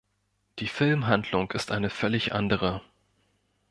Die Filmhandlung ist eine völlig andere.